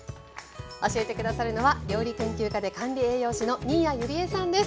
教えて下さるのは料理研究家で管理栄養士の新谷友里江さんです。